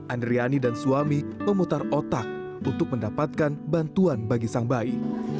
andriani dan suami memutar otak untuk mendapatkan bantuan bagi sang bayi